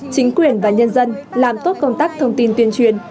chính quyền và nhân dân làm tốt công tác thông tin tuyên truyền